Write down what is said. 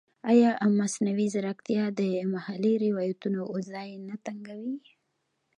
ایا مصنوعي ځیرکتیا د محلي روایتونو ځای نه تنګوي؟